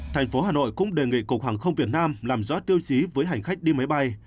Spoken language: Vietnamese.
thành phố hà nội cũng đề nghị cục hàng không việt nam làm giá tiêu chí với hành khách đi máy bay